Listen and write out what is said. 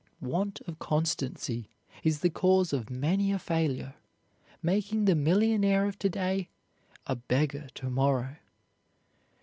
Want of constancy is the cause of many a failure, making the millionaire of to day a beggar to morrow.